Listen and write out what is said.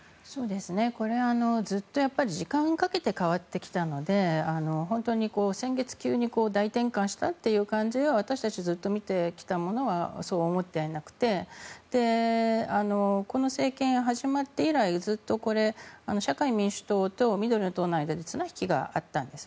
これ、ずっと時間をかけて変わってきたので本当に、先月急に大転換したという感じでは私たち、ずっと見てきた者はそう思ってはいなくてこの政権が始まって以来ずっと、社会民主党と緑の党内で綱引きがあったんです。